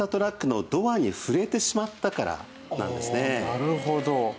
なるほど。